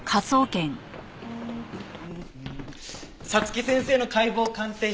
早月先生の解剖鑑定書